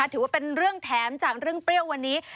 ถือว่าเป็นเรื่องแถมจากเรื่องเปรี้ยววันนี้